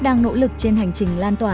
đang nỗ lực trên hành trình lan tỏa